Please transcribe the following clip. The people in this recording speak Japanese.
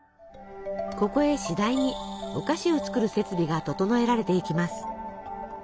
ここへしだいにお菓子を作る設備が整えられていきます。